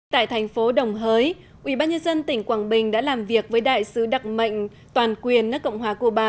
tại thành phố đồng hới ubnd tỉnh quảng bình đã làm việc với đại sứ đặc mệnh toàn quyền nước cộng hòa cuba